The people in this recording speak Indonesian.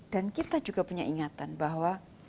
dan kita juga punya ingatan bahwa